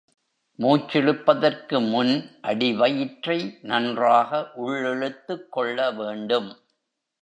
மூச்சிழுப்பதற்கு முன் அடிவயிற்றை நன்றாக உள்ளிழுத்துக் கொள்ள வேண்டும்.